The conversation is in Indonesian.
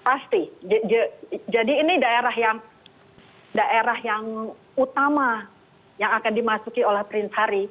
pasti jadi ini daerah yang utama yang akan dimasuki oleh prince harry